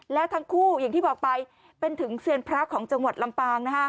แล้วทั้งคู่อย่างที่บอกไปเป็นถึงเซียนพระของจังหวัดลำปาง